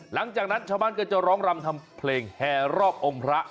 หลังจากนั้นชาวบ้านก็จะร้องรำทำเพลงแห่รอบองค์พระ